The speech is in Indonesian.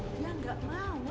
dia gak mau